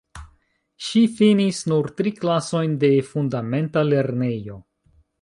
Ŝi finis nur tri klasojn de fundamenta lernejo.